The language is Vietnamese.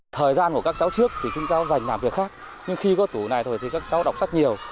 thời gian của các cháu trước thì chúng cháu dành làm việc khác nhưng khi có tủ này rồi thì các cháu đọc rất nhiều